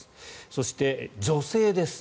そして、女性です。